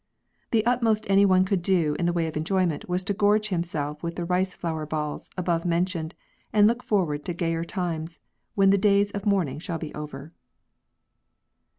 The utmost any one could do in the way of enjoyment was to gorge himself with the rice flour balls above mentioned, and look forward to gayer times when the days of mourning shall be over.